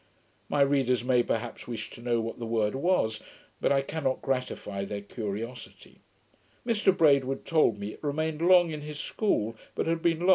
My readers may perhaps wish to know what the word was; but I cannot gratify their curiosity. Mr Braidwood told me, it remained long in his school, but had been lost before I made my inquiry.